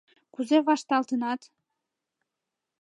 Кузе вашталтынат?